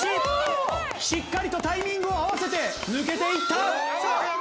しっかりとタイミングを合わせて抜けていった！